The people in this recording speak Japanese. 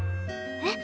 えっ？